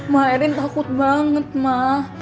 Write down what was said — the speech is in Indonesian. ma erin takut banget ma